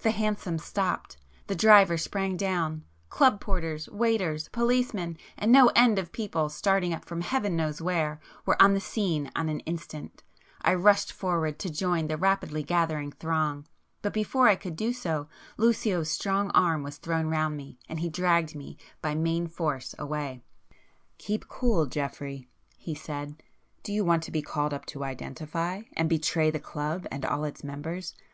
The hansom stopped,—the driver sprang down,—club porters, waiters, policemen and no end of people starting up from Heaven knows where, were on the scene on an instant,—I rushed forward to join the rapidly gathering throng, but before I could do so, Lucio's strong arm was thrown round me, and he dragged me by main force away. "Keep cool, Geoffrey!" he said—"Do you want to be called up to identify? And betray the club and all its members?